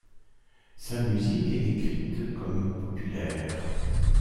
Sa musique est décrite comme populaire.